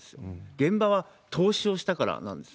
現場は投資をしたからなんです。